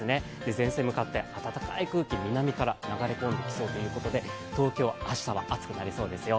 前線に向かって暖かい空気、南から流れ込んでくるということで東京、明日は暑くなりそうですよ。